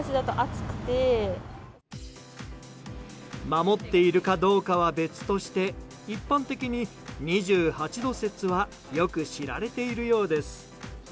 守っているかどうかは別として一般的に２８度説はよく知られているようです。